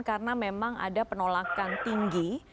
karena memang ada penolakan tinggi